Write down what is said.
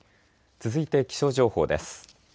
続いて気象情報です。